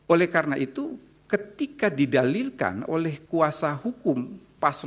oleh karena itu ketika didalilkan oleh kuasa hukum paslon